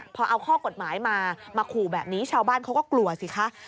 พอเอาข้อกฎหมายมามาขู่แบบนี้ชาวบ้านเขาก็กลัวสิคะ